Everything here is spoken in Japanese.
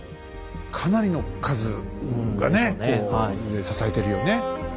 かなりの数がねこう支えてるよね。